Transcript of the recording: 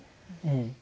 うん。